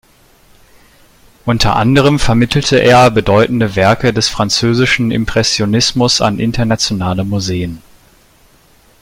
Unter anderem vermittelte er bedeutende Werke des französischen Impressionismus an internationale Museen.